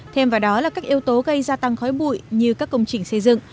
thêm vào đó là các yếu tố gây gia tăng khói bụi như các công trình xây dựng